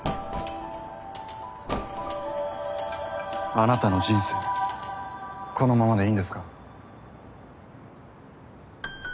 あなたの人生このままでいいんですか？